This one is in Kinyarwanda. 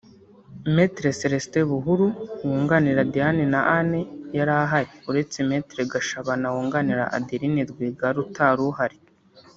Me Celestin Buhuru wunganira Dianne na Anne yari ahari uretse Me Gashabana wunganira Adeline Rwigara utari uhari